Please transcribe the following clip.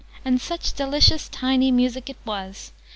And such delicious tiny music it was!